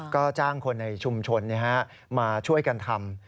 ก็จ้างคนในชุมชนมาช่วยกันทำ